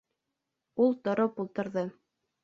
Ул тороп ултырҙы.